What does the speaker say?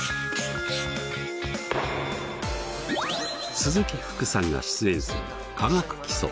鈴木福さんが出演する「化学基礎」。